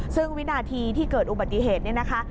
ซึ่งวินาทีที่เกิดอุบัติเหตุเนี่ยนะคะ